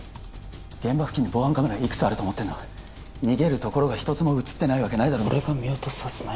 現場付近に防犯カメラいくつあると思ってんだ逃げるところが一つも写ってないわけないだろ俺が見落とすはずない